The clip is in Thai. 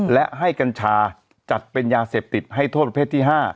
และให้กัญชาจัดเป็นยาเสพติดให้โทษประเภทที่๕